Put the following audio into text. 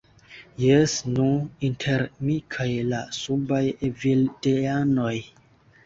Jes, nu, inter mi kaj la subaj evildeanoj.